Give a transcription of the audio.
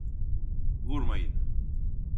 Vurmayın!